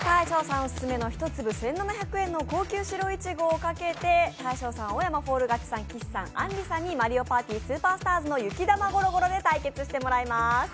オススメの１粒１７００円の高級白いちごをかけて大昇さん、青山フォール勝ちさん、岸さんあんりさんに「マリオパーティースーパースターズ」「ゆきだまゴロゴロ」で対決してもらいます。